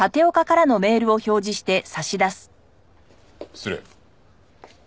失礼。